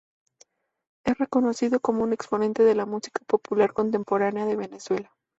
Es reconocido como un exponente de la música popular contemporánea de Venezuela.